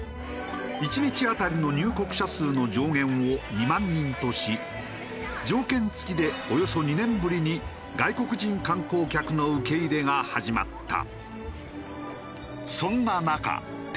１日当たりの入国者数の上限を２万人とし条件付きでおよそ２年ぶりに外国人観光客の受け入れが始まった。